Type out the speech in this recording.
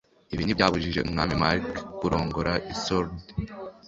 Ibi ntibyabujije umwami Mark kurongora Isolde